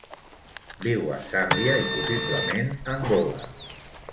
Viu a Zàmbia i, possiblement, Angola.